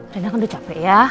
karena kan udah capek ya